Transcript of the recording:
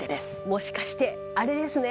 もしかしてあれですね！